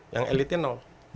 yang elitnya